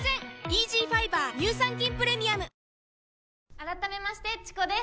改めましてちこです。